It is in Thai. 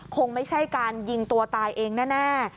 คงไม่ใช่การยิงตัวตายเองแน่